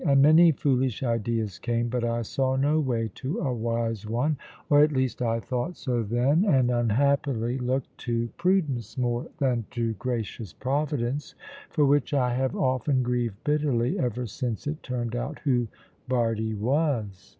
And many foolish ideas came, but I saw no way to a wise one, or at least I thought so then, and unhappily looked to prudence more than to gracious Providence, for which I have often grieved bitterly, ever since it turned out who Bardie was.